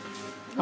何？